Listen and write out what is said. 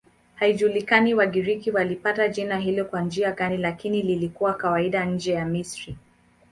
Haijulikani Wagiriki walipata jina hilo kwa njia gani, lakini lilikuwa kawaida nje ya Misri.